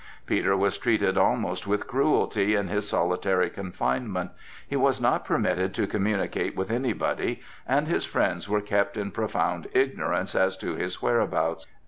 Peter was treated almost with cruelty in his solitary confinement. He was not permitted to communicate with anybody, and his friends were kept in profound ignorance as to his whereabouts.